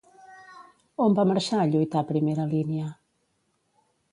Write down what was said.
On va marxar a lluitar a primera línia?